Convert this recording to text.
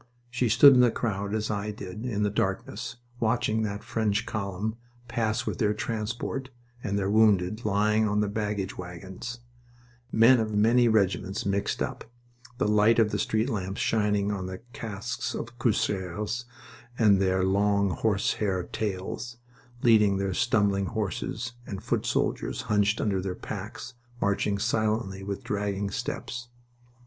She stood in the crowd as I did in the darkness, watching that French column pass with their transport, and their wounded lying on the baggage wagons, men of many regiments mixed up, the light of the street lamps shining on the casques of cuirassiers with their long horsehair tails, leading their stumbling horses, and foot soldiers, hunched under their packs, marching silently with dragging steps.